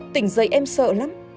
tỉnh dậy em sợ lắm